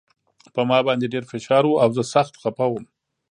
په ما باندې ډېر فشار و او زه سخت خپه وم